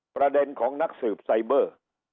ประเด็นของนักสืบไซเบอร์